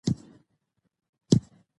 د مېلو پر مهال خلک د خپل ژوند ښې خاطرې جوړوي.